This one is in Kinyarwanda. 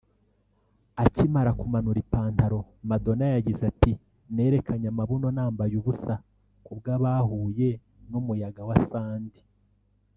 Akimara kumanura ipantalo madona yagize ati "Nerekanye amabuno nambaye ubusa kubw’abahuye n’umuyaga wa Sandy